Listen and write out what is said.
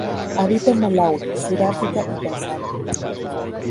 Habita en Malaui, Sudáfrica y Tanzania.